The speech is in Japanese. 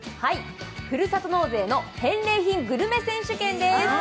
ふるさと納税の返礼品グルメ選手権です。